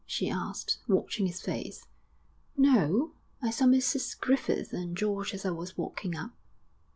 she asked, watching his face. 'No; I saw Mrs Griffith and George as I was walking up.'